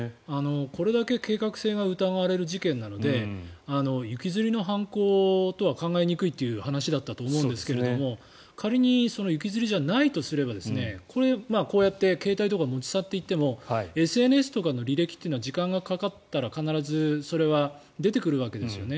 これだけ計画性が疑われる事件なので行きずりの犯行とは考えにくいという話だと思いますが仮に行きずりじゃないとすればこうやって携帯とかを持ち去っていてもＳＮＳとかの履歴は時間がかかったら、必ずそれは出てくるわけですよね。